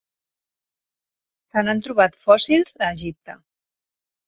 Se n'han trobat fòssils a Egipte.